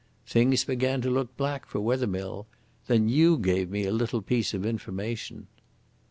Things began to look black for Wethermill. Then you gave me a little piece of information."